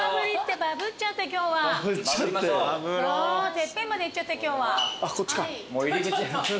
てっぺんまでいっちゃったよ今日は。